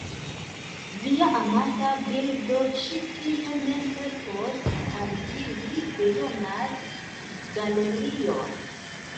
Via amata bildo ĉi tie ne helpos al vi, vi bezonas galerion.